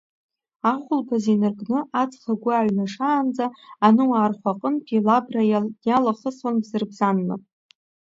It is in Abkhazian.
Ахәылԥазы инаркны аҵх агәы ааиҩнашаанӡа Аныуаа рхәаҟынтәи Лабра иалахысуан бзырбзанла.